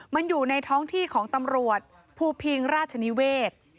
มันอยู่ในท้องที่ของตำรวจภูพิงราชนิเวศ